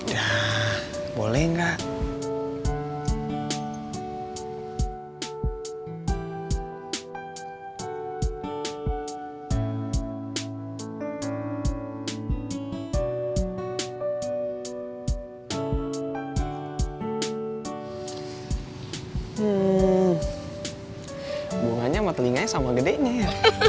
hmm hubungannya sama telinganya sama gedenya ya